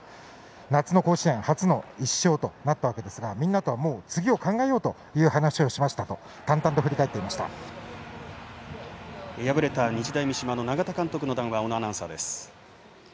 夏の甲子園初の１勝となったわけですがみんなとは次を考えようという話をしましたと敗れた日大三島の永田監督の談話小野アナウンサーです。